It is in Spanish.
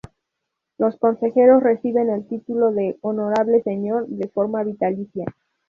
Los consejeros reciben el título de "Honorable Señor" de forma vitalicia.